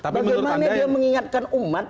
bagaimana dia mengingatkan umat